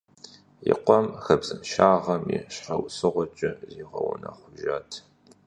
И къуэм хабзэншагъэм и щхьэусыгъуэкӏэ зигъэунэхъужат.